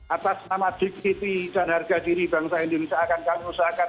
atas nama dignity dan harga diri bangsa indonesia akan kami usahakan